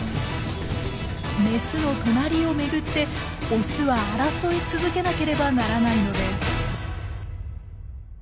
メスの隣を巡ってオスは争い続けなければならないのです。